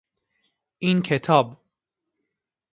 این کتاب